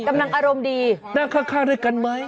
กำลังอารมณ์ดีนั่งข้างด้วยกันไหม